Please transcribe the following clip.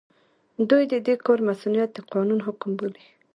دوی د دې کار مصؤنيت د قانون حکم بولي.